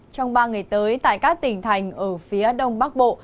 trong ba ngày tới tại các tỉnh thành ở phía đông bắc bộ